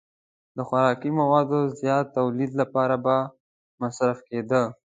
د خوراکي موادو زیات تولید لپاره به مصرف کېده.